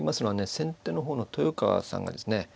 先手の方の豊川さんがですね